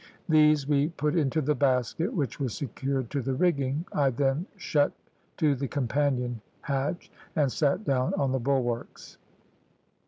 These we put into the basket, which was secured to the rigging. I then shut to the companion hatch, and sat down on the bulwarks.